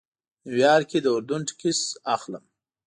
نیویارک کې د اردن ټکټ واخلم.